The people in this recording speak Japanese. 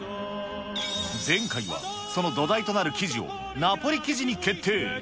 前回は、その土台となる生地をナポリ生地に決定。